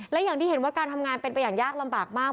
และอย่างที่เห็นว่าการทำงานเป็นไปอย่างยากลำบากมาก